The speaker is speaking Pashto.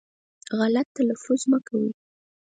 غلط تلفظ مه کوی